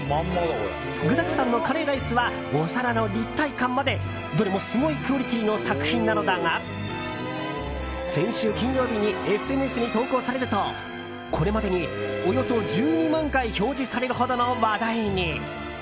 具だくさんのカレーライスはお皿の立体感までどれもすごいクオリティーの作品なのだが先週金曜日にＳＮＳに投稿されるとこれまでに、およそ１２万回表示されるほどの話題に。